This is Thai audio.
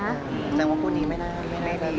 แต่ว่าคู่นี้ไม่น่าไม่น่าดี